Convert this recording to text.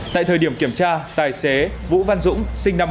tại thời điểm kiểm tra tài xế vũ văn dũng sinh năm một nghìn chín trăm tám mươi